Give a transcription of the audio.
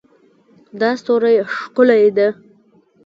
دا ستوری ښکلی ده